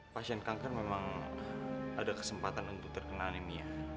pasien kanker memang ada kesempatan untuk terkena lemia